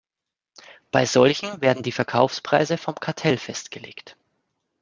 Bei solchen werden die Verkaufspreise vom Kartell festgelegt.